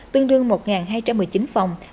tương đương một hai trăm một mươi chín phòng